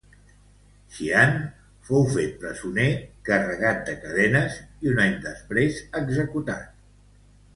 Xian fou fet presoner carregat de cadenes i un any després executat.